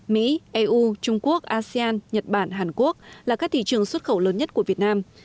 mỹ eu trung quốc asean nhật bản hàn quốc là các thị trường xuất khẩu lớn nhất của việt nam